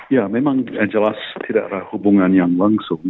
ya memang jelas tidak ada hubungan yang langsung